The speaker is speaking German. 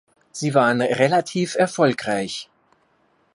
Sie waren relativ erfolgreich.